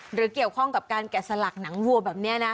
หรือเกี่ยวข้องกับการแกะสลักหนังวัวแบบนี้นะ